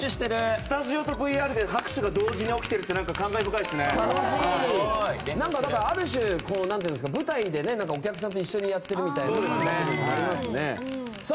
スタジオとＶＲで拍手が同時に起きてるってある種、舞台でお客さんと一緒にやってるみたいな感じがありますね。